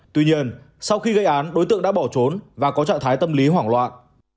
tuy nhiên sau khi gây án đối tượng đã bỏ trốn và có trạng thái tâm lý hoảng loạn